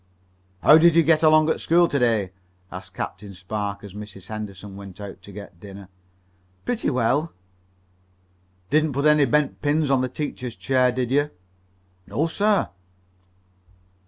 "How did you get along at school to day?" asked Captain Spark, as Mrs. Henderson went out to get dinner. "Pretty well." "Didn't put any bent pins in the teacher's chair, did you?" "No, sir."